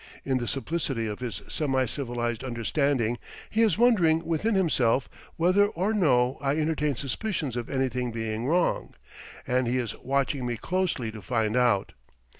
In the simplicity of his semi civilized understanding he is wondering within himself whether or no I entertain suspicions of anything being wrong, and he is watching me closely to find out.